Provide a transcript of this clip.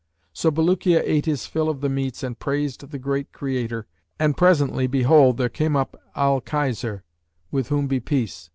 So Bulukiya ate his fill of the meats and praised the Great Creator. And presently, behold, there came up Al Khizr[FN#570] (with whom be peace!)